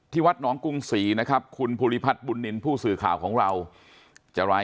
ที่วัดหนองกรุงศรีนะครับ